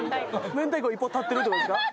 明太子１本立ってるってことですか。